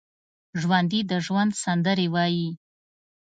ژوندي د ژوند سندرې وايي